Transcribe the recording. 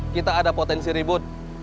kita ada potensi ribut